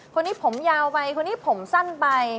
คนนี้ผมยาวไปคนนี้ผมสั้นไป